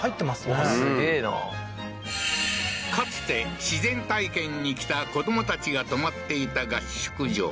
うんすげえなかつて自然体験に来た子供たちが泊まっていた合宿所